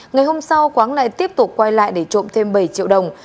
ngày hôm sau quáng lại tiếp tục quay lại để trộm thêm bảy triệu đồng